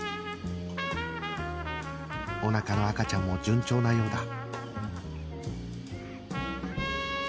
おなかの赤ちゃんも順調なようだ